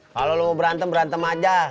kalau lu mau berantem berantem aja